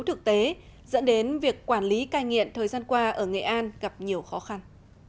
thực tế dẫn đến việc quản lý cai nghiện thời gian qua ở nghệ an gặp nhiều khó khăn